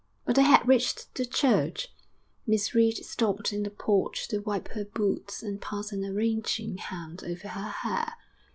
But they had reached the church. Miss Reed stopped in the porch to wipe her boots and pass an arranging hand over her hair.